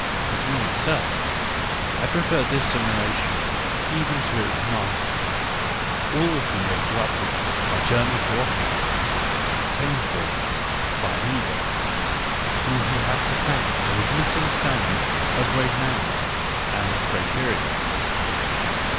^ Between ourselves, I prefer this generation even to its masters, all of whom were corrupted by German philosophy (Taine, for instance, by Hegel, whom he has to thank for his misunderstanding of great men and great periods).